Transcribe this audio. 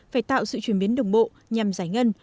phải tạo sự chuyển biến đồng bộ nhằm giải ngân